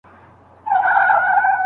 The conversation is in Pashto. چلن د زده کړې اغېز ښيي.